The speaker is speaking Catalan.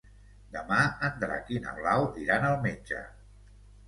Demà en Drac i na Blau iran al metge.